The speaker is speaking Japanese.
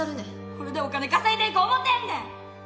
これでお金稼いでいこう思てんねん！